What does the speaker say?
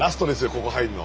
ここ入んの。